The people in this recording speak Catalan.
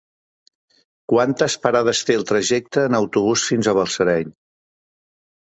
Quantes parades té el trajecte en autobús fins a Balsareny?